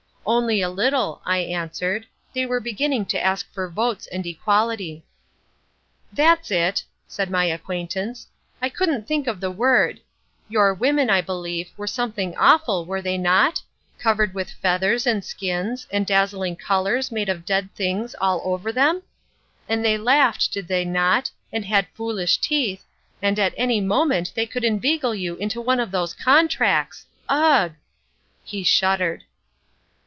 "Only a little." I answered; "they were beginning to ask for votes and equality." "That's it," said my acquaintance, "I couldn't think of the word. Your women, I believe, were something awful, were they not? Covered with feathers and skins and dazzling colours made of dead things all over them? And they laughed, did they not, and had foolish teeth, and at any moment they could inveigle you into one of those contracts! Ugh!" He shuddered.